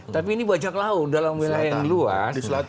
tapi ini bajak laut dalam wilayah yang luas